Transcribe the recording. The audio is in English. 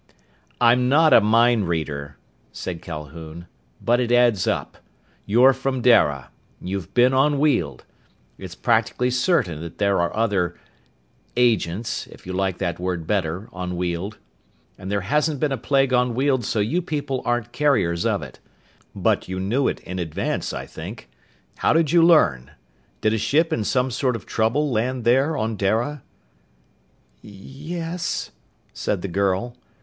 "I'm not a mind reader," said Calhoun. "But it adds up. You're from Dara. You've been on Weald. It's practically certain that there are other ... agents, if you like that word better, on Weald. And there hasn't been a plague on Weald so you people aren't carriers of it. But you knew it in advance, I think. How'd you learn? Did a ship in some sort of trouble land there, on Dara?" "Y yes," said the girl.